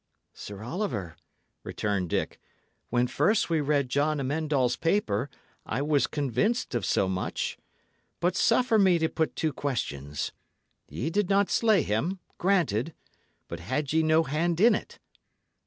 "Sir Oliver," returned Dick, "when first we read John Amend All's paper, I was convinced of so much. But suffer me to put two questions. Ye did not slay him; granted. But had ye no hand in it?"